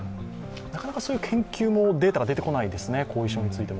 なかなかそういう研究もデータが出てこないですね、後遺症について。